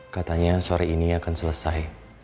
katanya sore ini akan selesai